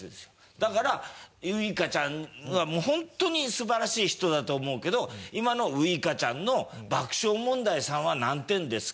だからウイカちゃんはもうホントに素晴らしい人だと思うけど今のウイカちゃんの爆笑問題さんは何点ですか？